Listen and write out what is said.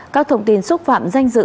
các thông tin xúc phạm danh dự